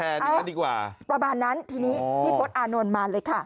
เอ้าประมาณนั้นทีนี้พี่พฤตอานนท์มาเลยค่ะ